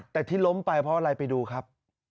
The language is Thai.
แต่ที่ล้มไปเพราะอะไรไปดูครับ